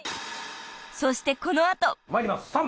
［そしてこの後］参ります。